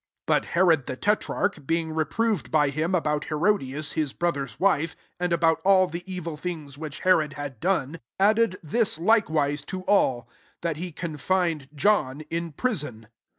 19 But Herod the tetrarcb, being reproved by him about Herodias his brother's wife, and about all the evil things which Herod had done, 20 ad ded this likewise to all, that he confined John in prison.